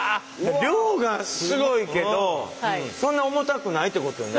量がすごいけどそんな重たくないってことよね？